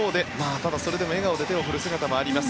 ただ、笑顔で手を振る姿もあります。